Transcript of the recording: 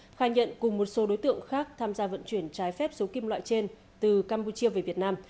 khai nhận cùng một số đối tượng khác tham gia vận chuyển trái phép số kim loại trên từ campuchia về việt nam